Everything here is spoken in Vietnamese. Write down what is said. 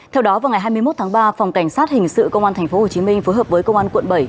theo đó vào ngày hai mươi một tháng ba phòng cảnh sát hình sự công an tp hcm phối hợp với công an quận bảy